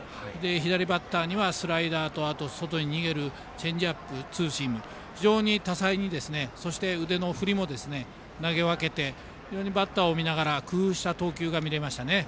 左バッターにはスライダーと外に逃げるチェンジアップ、ツーシーム非常に多彩にそして、腕の振りも投げ分けて非常にバッターを見ながら工夫した投球が見れましたね。